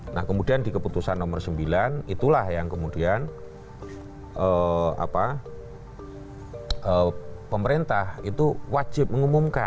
nah kemudian di keputusan nomor sembilan itulah yang kemudian pemerintah itu wajib mengumumkan